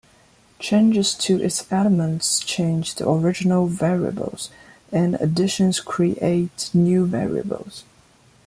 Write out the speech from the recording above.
Changes to its elements change the original variables, and additions create new variables.